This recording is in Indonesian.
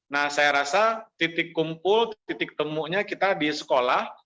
nah saya rasa titik kumpul titik temunya kita di sekolah